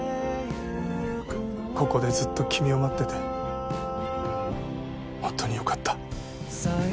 ここでずっと君を待ってて本当に良かった。